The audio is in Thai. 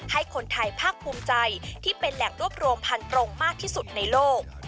ให้คนไทยภาคภูมิใจที่เป็นแหล่งรวบรวมพันตรงมากที่สุดในโลก